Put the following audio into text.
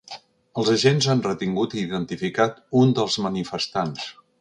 Els agents han retingut i identificat un dels manifestants.